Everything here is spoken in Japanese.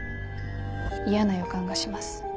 嫌な予感がします。